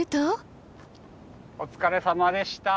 お疲れさまでした！